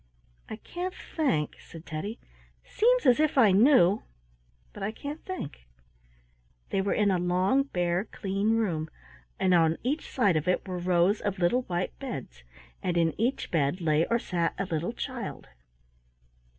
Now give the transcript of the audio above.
"I can't think," said Teddy. "Seems as if I knew, but I can't think." They were in a long, bare, clean room, and on each side of it were rows of little white beds, and in each bed lay or sat a little child.